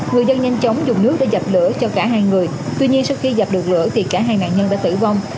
người dân nhanh chóng dùng nước để dập lửa cho cả hai người tuy nhiên sau khi dập được lửa thì cả hai nạn nhân đã tử vong